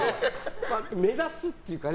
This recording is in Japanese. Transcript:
目立つっていうかね